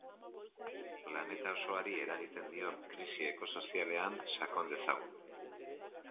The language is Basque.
Planeta osoari eragiten dion krisi ekosozialean sakon dezagun.